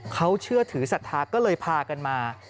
เขาเชื่อถือศรัทธาก็เลยพากันมา